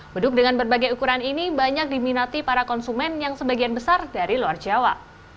beduk dengan berbagai ukuran ini banyak diminati para konsumen yang sebagian besar dari luar jawa